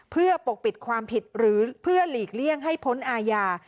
เพื่อปกปิดความผิดหรือเพื่อหลีกเลี่ยงให้พ้นอาญา